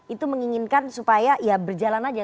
itu menginginkan supaya ya berjalan aja